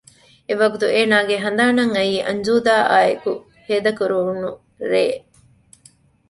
އެވަގުތު އޭނާގެ ހަނދާނަށް އައީ އަންޖޫދާ އާއެކު ހޭދަކުރެވުނު ރޭ